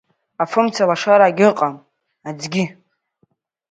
Афымцалашарагь ыҟам, аӡгьы.